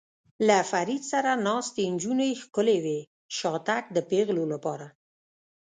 له فرید سره ناستې نجونې ښکلې وې، شاتګ د پېغلو لپاره.